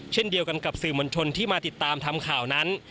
เช่นเดียวกันกับสื่อมวลชนที่มาติดตามทำข่าวนั้น